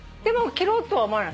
そろうとは思わない？